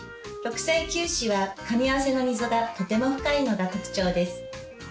６歳臼歯はかみ合わせの溝がとても深いのが特徴です。